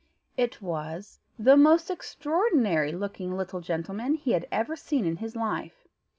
It was the most extraordinary looking little gentleman he had ever seen in his life.